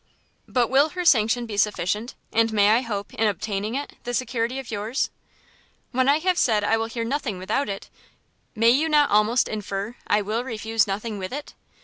"But will her sanction be sufficient? and may I hope, in obtaining it, the security of yours?" "When I have said I will hear nothing without it, may you not almost infer I will refuse nothing with it!"